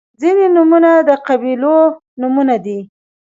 • ځینې نومونه د قبیلو نومونه دي.